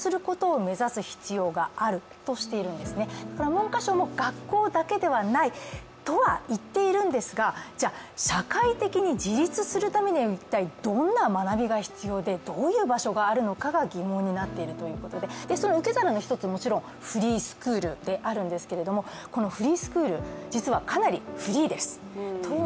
文科省も学校だけではないとはいっているんですがじゃあ、社会的に自立するためには一体どんな学びが必要でどういう場所があるのかが疑問になっているということで、その受け皿の一つにもちろん、フリースクールであるんですけれどもこのフリースクール、実はかなりフリーです。